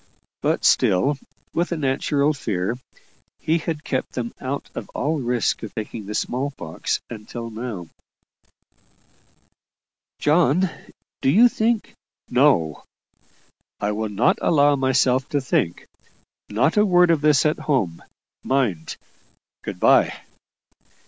But still, with a natural fear, he had kept them out of all risk of taking the small pox until now. "John, do you think " "No; I will not allow myself to think. Not a word of this at home, mind. Good bye!"